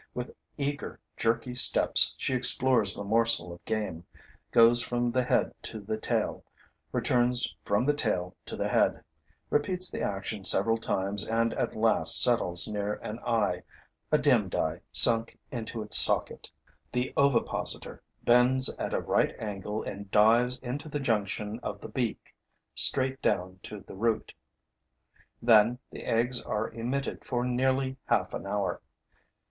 With eager, jerky steps, she explores the morsel of game, goes from the head to the tail, returns from the tail to the head, repeats the action several times and at last settles near an eye, a dimmed eye sunk into its socket. The ovipositor bends at a right angle and dives into the junction of the beak, straight down to the root. Then the eggs are emitted for nearly half an hour.